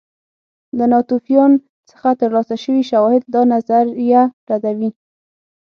له ناتوفیان څخه ترلاسه شوي شواهد دا نظریه ردوي